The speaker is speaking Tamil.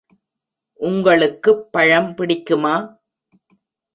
உங்களுக்கு பழம் பிடிக்குமா?